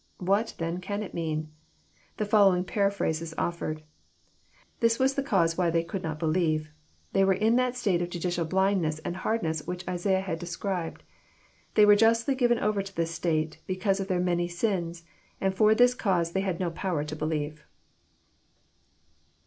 What, then, can it mean ? The following paraphrase is offered :*' This was the cause why they could not believe, — they were in that state of Judicial blindness and hardness which Isaiah had described. They were Justly given over to this state, because of their many sins, and for this cause they had no power to believe."